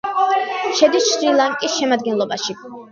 შედის შრი-ლანკის შემადგენლობაში.